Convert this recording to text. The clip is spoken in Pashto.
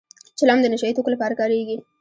چلم د نشه يي توکو لپاره کارېږي